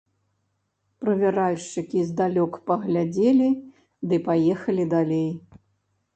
Правяральшчыкі здалёк паглядзелі ды паехалі далей.